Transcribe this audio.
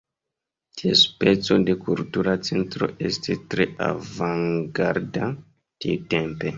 Tia speco de kultura centro estis tre avangarda tiutempe.